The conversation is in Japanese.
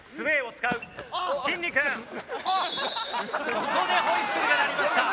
ここでホイッスルが鳴りました。